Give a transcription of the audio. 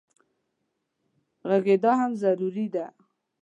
غږېدا هم ضروري ده.